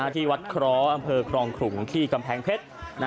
ที่วัดเคราะห์อำเภอครองขลุงที่กำแพงเพชร